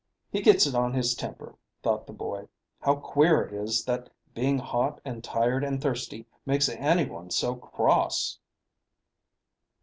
"He gets it on his temper," thought the boy. "How queer it is that being hot and tired and thirsty makes any one so cross."